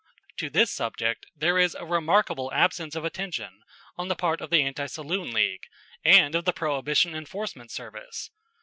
To this subject there is a remarkable absence of attention on the part of the Anti Saloon League and of the Prohibition enforcement service.